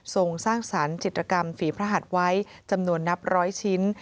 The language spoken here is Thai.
ส่งสร้างสรรค์จิตรกรรมฝีพระหัสไว้จำนวนนับร้อยชิ้น